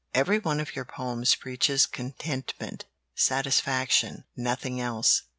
Every one of your poems preaches contentment, satisfaction nothing else."